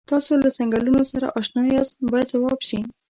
تاسو له څنګلونو سره اشنا یاست باید ځواب شي.